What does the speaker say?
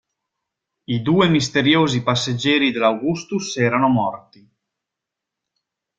I due misteriosi passeggeri dell'Augustus erano morti.